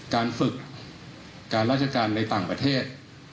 การฝึกการราชการในต่างประเทศ